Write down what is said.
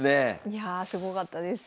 いやすごかったです。